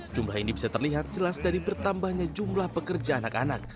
jumlah ini bisa terlihat jelas dari bertambahnya jumlah pekerja anak anak